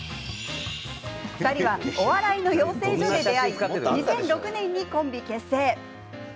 ２人は、お笑いの養成所で出会い２００６年にコンビ結成。